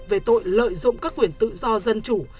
về tội lợi dụng các quyền tự do dân chủ